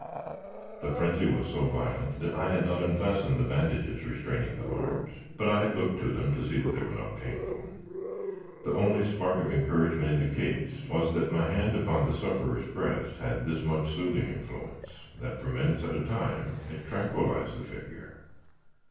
The frenzy was so violent, that I had not unfastened the bandages restraining the arms; but I had looked to them, to see that they were not painful. The only spark of encouragement in the case, was, that my hand upon the sufferer's breast had this much soothing influence, that for minutes at a time it tranquillised the figure.